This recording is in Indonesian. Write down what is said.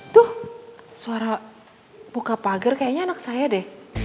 tuh suara buka pagar kayaknya anak saya deh